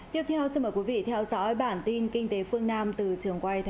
tiếp theo xin mời quý vị theo dõi bản tin kinh tế phương nam từ trường quay tp hcm